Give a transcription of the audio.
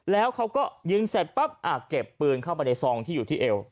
แล้วเขาก็ยิงเสร็จปั๊บเก็บปืนเข้าไปในซองที่อยู่ที่เอว